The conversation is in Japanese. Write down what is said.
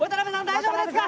大丈夫ですか？